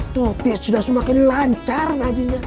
tuh sudah semakin lancar rajinnya